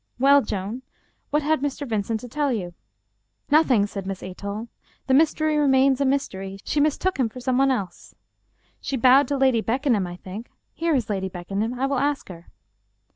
Well, Joan, what had Mr. Vincent to tell you ?"" Nothing," said Miss Athol. " The mystery remains a mystery. She mistook him for some one else." " She bowed to Lady Beckenham, I think. Here is Lady Beckenham. I will ask her."